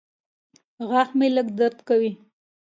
غاښ مې لږ درد کوي.